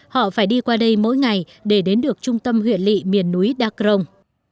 họ phải đi qua đây mỗi ngày để đến được trung tâm huyện lị miền núi đa crông